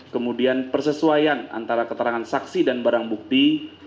kemudian persesuaian antara keterangan saksi dan barang bukti